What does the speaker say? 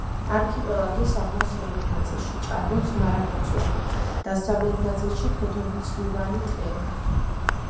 არქიპელაგის აღმოსავლეთ ნაწილში ჭარბობს მარადმწვანე, დასავლეთ ნაწილში ფოთოლმცვივანი ტყე.